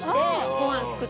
ご飯作って。